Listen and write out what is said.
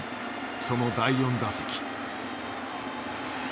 その第４打席。